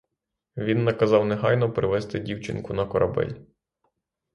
Він наказав негайно привезти дівчинку на корабель.